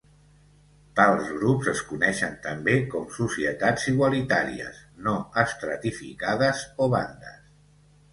Tals grups es coneixen també com societats igualitàries, no estratificades o bandes.